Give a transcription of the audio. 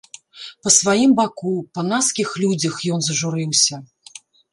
Па сваім баку, па наскіх людзях ён зажурыўся.